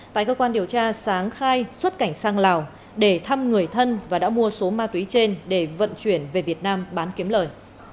tại cơ quan điều tra sáng khai xuất cảnh sang lào để thăm người thân và đã mua số ma túy trên để vận chuyển về việt nam bán kiếm lời